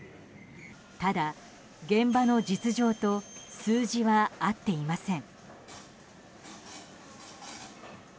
ただ、現場の実情と数字は合っていません。